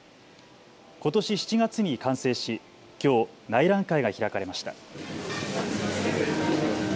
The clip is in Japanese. ことし７月に完成しきょう内覧会が開かれました。